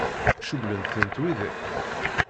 Cewwlen-tent widak?